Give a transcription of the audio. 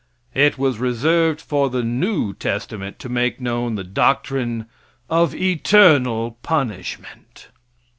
It was reserved for the new testament to make known the doctrine of eternal punishment.